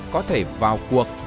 có thể vào cuộc